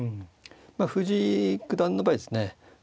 まあ藤井九段の場合ですね